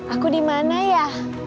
aku dimana ya